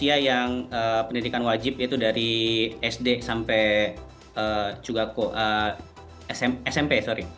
kalau usia yang pendidikan wajib itu dari sd sampai smp